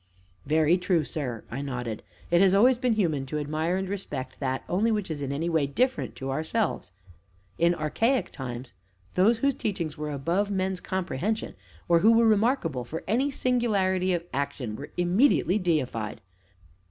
"Very true, sir!" I nodded. "It has always been human to admire and respect that only which is in any way different to ourselves; in archaic times those whose teachings were above men's comprehension, or who were remarkable for any singularity of action were immediately deified.